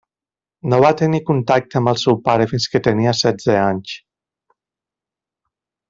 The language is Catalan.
No va tenir contacte amb el seu pare fins que tenia setze anys.